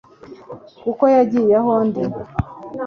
Kuko yagiye aho ndi